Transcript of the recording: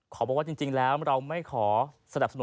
บอกว่าจริงแล้วเราไม่ขอสนับสนุน